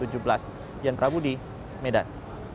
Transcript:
jan prabudi medan